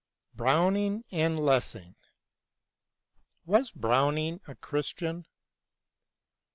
BROWNING AND LESSING WAS Browning a Christian